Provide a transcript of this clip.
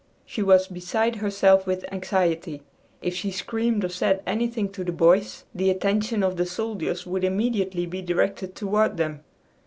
She was beside herself with anxiety. If she screamed or said anything to the boys, the attention of the soldiers would immediately be directed toward them.